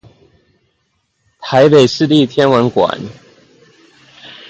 臺北市立天文館